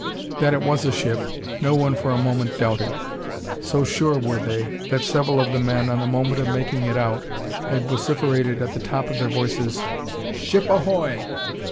That it was a ship, no one for a moment doubted. So sure were they, that several of the men, on the moment of making it out, had vociferated, at the top of their voices, "Ship ahoy!"